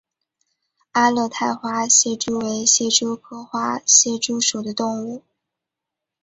阿勒泰花蟹蛛为蟹蛛科花蟹蛛属的动物。